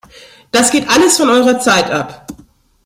Das geht alles von eurer Zeit ab!